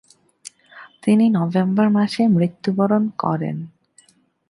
তিনি নভেম্বর মাসে মৃত্যুবরণ করেন।